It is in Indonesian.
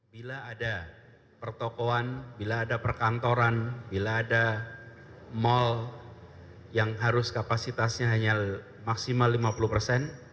bila ada pertokohan bila ada perkantoran bila ada mal yang harus kapasitasnya hanya maksimal lima puluh persen